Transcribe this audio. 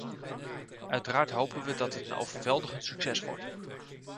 Uiteraard hopen we dat het een overweldigend succes wordt.